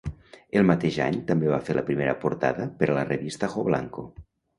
El mateix any també va fer la primera portada per a la revista Ajoblanco.